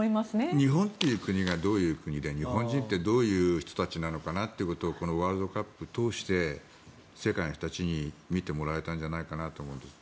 日本という国がどういう国で日本人ってどういう人たちなのかということをこのワールドカップを通して世界の人たちに見てもらえたんじゃないかなと思います。